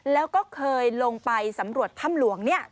แล้วก็เคยลงไปสำรวจถ้ำหลวงเนี่ย